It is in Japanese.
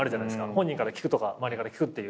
本人から聞くとか周りから聞くっていう。